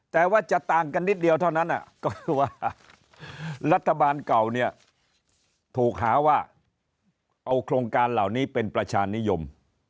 แต่ว่าจะต่างกันนิดเดียวเท่านั้นก็คือว่ารัฐบาลเก่าเนี่ยถูกหาว่าเอาโครงการเหล่านี้เป็นประชานิยม